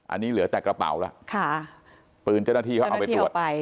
อันนี้เหลือแต่กระเป๋าแล้วค่ะปืนเจ้าหน้าที่เขาเอาไปตรวจ